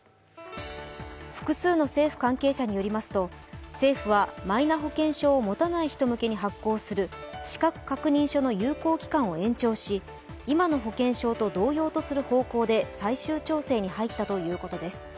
複数の政府関係者によりますと政府はマイナ保険証を持たない人向けに発行する資格確認書の有効期間を延長し、今の保険証と同様とする方向で最終調整に入ったということです。